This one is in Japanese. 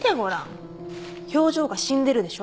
表情が死んでるでしょ？